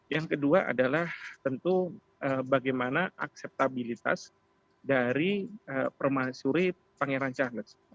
yang kedua adalah tentu bagaimana akseptabilitas dari permasuri pangeran charles